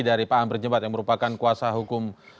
dari pak amri jebat yang merupakan kuasa hukum